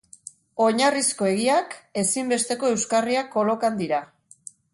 Oinarrizko egiak, ezinbesteko euskarriak kolokan dira.